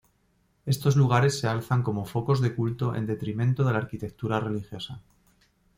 Estos lugares se alzan como focos de culto en detrimento de la arquitectura religiosa.